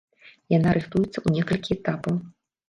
Яна рыхтуецца ў некалькі этапаў.